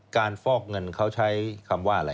ฟอกเงินเขาใช้คำว่าอะไร